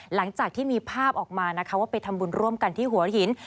หลังจากที่มีภาพออกมานะคะว่าไปทำบุญร่วมกันที่หัวหิน